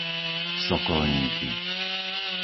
Sokolníky